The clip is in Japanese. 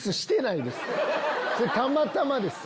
それたまたまです。